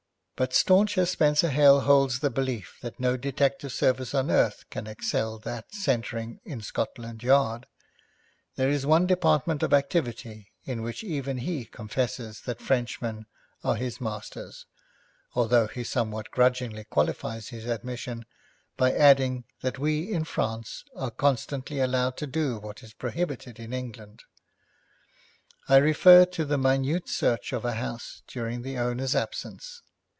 But, staunch as Spenser Hale holds the belief that no detective service on earth can excel that centring in Scotland Yard, there is one department of activity in which even he confesses that Frenchmen are his masters, although he somewhat grudgingly qualifies his admission by adding that we in France are constantly allowed to do what is prohibited in England. I refer to the minute search of a house during the owner's absence.